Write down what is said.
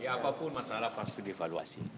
ya apapun masalah pasti di evaluasi